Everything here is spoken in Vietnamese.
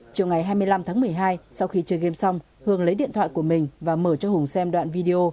chiều ngày hai mươi năm tháng một mươi hai sau khi chơi game xong hường lấy điện thoại của mình và mở cho hùng xem đoạn video